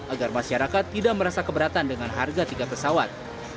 agar masyarakat tidak merasa keberatan dengan harga tiket pesawat